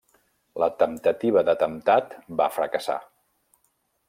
La temptativa d'atemptat va fracassar.